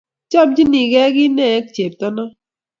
Chomchinigei kine ak chepto no?